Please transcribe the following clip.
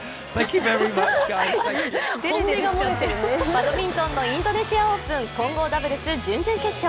バドミントンのインドネシアオープン、混合ダブルス準々決勝。